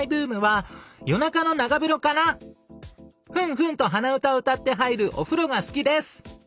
フンフンと鼻歌を歌って入るお風呂が好きです。